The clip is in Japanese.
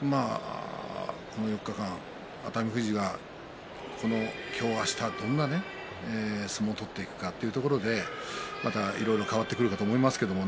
４日間、熱海富士が今日あしたどんな相撲を取っていくかというところでまたいろいろ変わってくるかと思いますけれど。